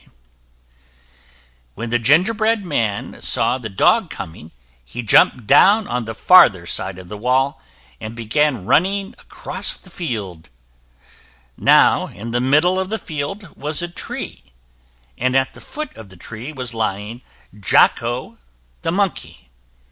[Illustration: The Monkey catches the Gingerbread Man] When the gingerbread man saw the dog coming, he jumped down on the farther side of the wall, and began running across the field. Now in the middle of the field was a tree, and at the foot of the tree was lying Jocko, the monkey.